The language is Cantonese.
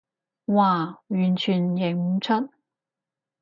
嘩，完全認唔出